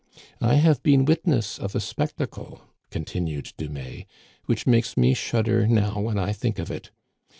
" I have been witness of a spectacle," continued Du mais, " which makes me shudder now when I think of it.